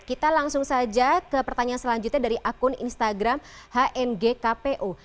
kita langsung saja ke pertanyaan selanjutnya dari akun instagram hngkpu